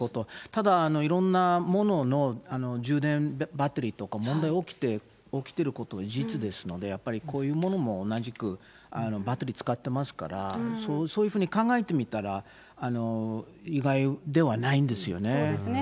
ただ、いろんなものの充電バッテリーとか、問題起きてること事実ですので、やっぱりこういうものも同じく、バッテリー使ってますから、そういうふうに考えてみたら、そうですね。